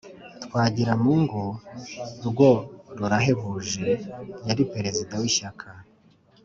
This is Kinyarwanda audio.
twagiramungu rwo rurahebuje. yari perezida w'ishyaka